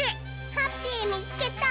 ハッピーみつけた！